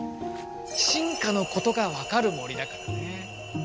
進化のことが分かる森だからね。